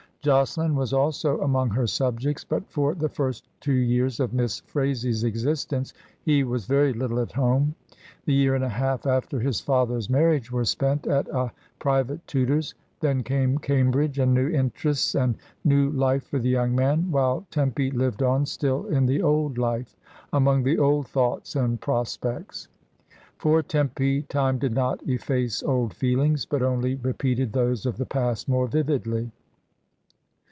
Josselin was also among her subjects, but for the first two years of Miss Phraisie's existence he was very little at home. The year and a half after his father's marriage were spent at a private tutor's; then came Cambridge and new interests and new life for the young man, while Tempy lived on still in the old life, among the old thoughts and pro spects. For Tempy time did not efface old feelings, but only repeated those of the past more vividly.